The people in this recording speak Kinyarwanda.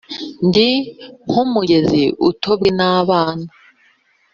Ndi nk'umugezi utobwe n’abana